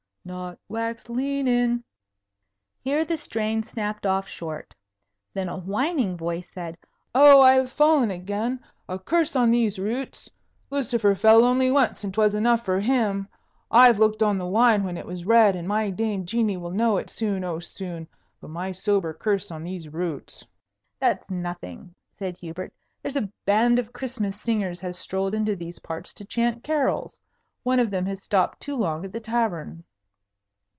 Not wax lean in " Here the strain snapped off short. Then a whining voice said, "Oh, I have fallen again! A curse on these roots. Lucifer fell only once, and 'twas enough for him. I have looked on the wine when it was red, and my dame Jeanie will know it soon, oh, soon! But my sober curse on these roots." "That's nothing," said Hubert. "There's a band of Christmas singers has strolled into these parts to chant carols. One of them has stopped too long at the tavern."